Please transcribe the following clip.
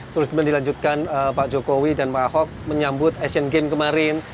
terus kemudian dilanjutkan pak jokowi dan pak ahok menyambut asian games kemarin